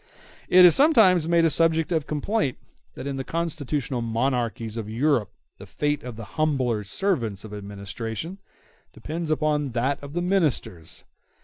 It is sometimes made a subject of complaint that in the constitutional monarchies of Europe the fate of the humbler servants of an Administration depends upon that of the Ministers.